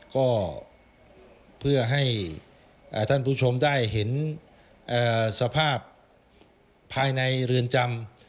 ก็เพื่อให้ท่านผู้ชมได้เห็นสภาพภายในเรือนจำ